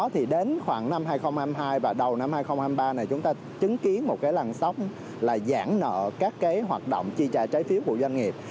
thì đến khoảng năm hai nghìn hai mươi hai và đầu năm hai nghìn hai mươi ba này chúng ta chứng kiến một cái lằn sóng là giãn nợ các cái hoạt động chi trả trái phiếu của doanh nghiệp